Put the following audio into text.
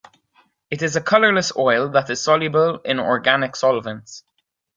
It is a colorless oil that is soluble in organic solvents.